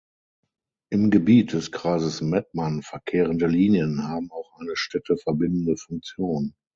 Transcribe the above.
Im Gebiet des Kreises Mettmann verkehrende Linien haben auch eine Städte verbindende Funktion.